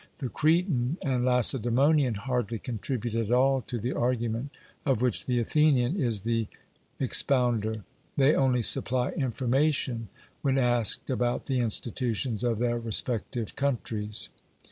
The Cretan and Lacedaemonian hardly contribute at all to the argument of which the Athenian is the expounder; they only supply information when asked about the institutions of their respective countries.